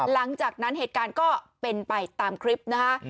หลังจากนั้นเหตุการณ์ก็เป็นไปตามคลิปนะคะ